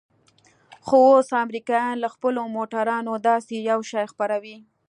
خو اوس امريکايان له خپلو موټرانو داسې يو شى خپروي.